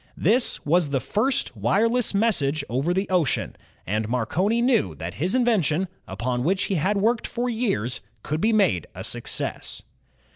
This was the first wireless message over the ocean, and Marconi knew that his invention, upon which he had worked for years, could be made a success.